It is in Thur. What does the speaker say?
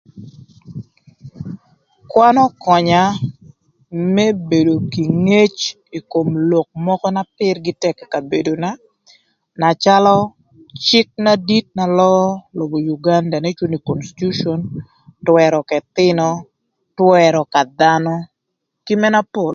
Kwan ökönya më bedo kï ngec ï kom lok mökö na pïrgï tëk ï kabedona, na calö cïk na dit na löö lobo Uganda n'ecwodo nï kontitiucon, twërö k'ëthïnö, twërö ka dhanö kï mëna pol.